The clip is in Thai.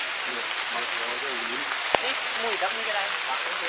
ท่านอะท่านท่านท่านท่านท่าน